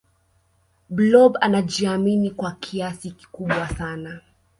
blob anajiamini kwa kiasi kikubwa sana